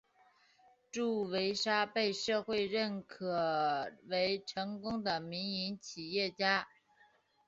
祝维沙被社会认可为成功的民营企业家。